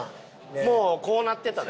もうこうなってたで。